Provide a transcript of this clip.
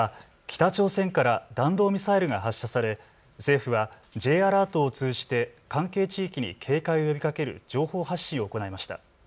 北朝鮮から弾道ミサイルが発射され、政府はＪアラートを通じて関係地域に警戒を呼びかける情報発信を行いました。